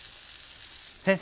先生